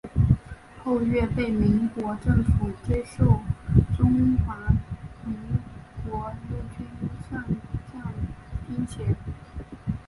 后岳被国民政府追授中华民国陆军上将军衔。